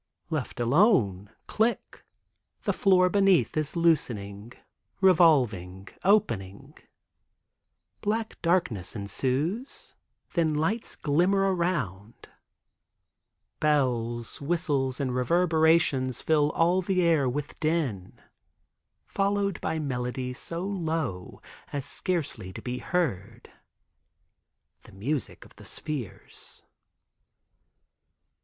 Left alone, click, the floor beneath is loosening, revolving, opening, black darkness ensues, then lights glimmer around; bells, whistles and reverberations fill all the air with din, followed by melody so low as scarcely to be heard—the music of the spheres.